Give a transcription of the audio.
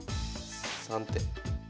３手。